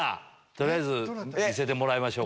取りあえず見せてもらいましょう。